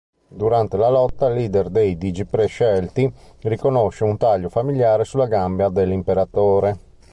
Durante la lotta, il leader dei Digiprescelti riconosce un taglio familiare sulla gamba dell'Imperatore.